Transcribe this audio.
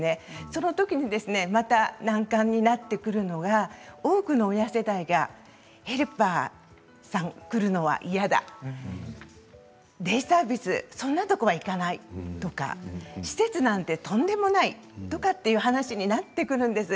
そのときに難関になってくるのが多くの親世代がヘルパーさんが来るのが嫌だとかデイサービス、そんなところは行かないとか施設なんてとんでもないという話になってくるんです。